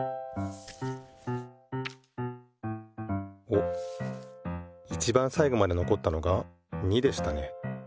おっいちばんさいごまでのこったのが２でしたね。